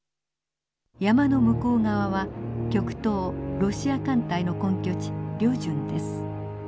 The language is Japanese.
山の向こう側は極東ロシア艦隊の根拠地旅順です。